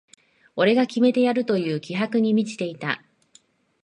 俺が決めてやるという気迫に満ちていた